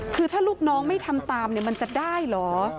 คือถ้าลูกน้องไม่ทำตามมันจะได้เหรอ